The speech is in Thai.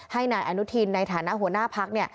ให้นายอนุทินในฐานะหัวหน้าพัก